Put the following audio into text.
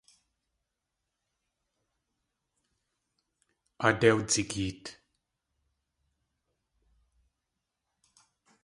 Aadé wdzigeet.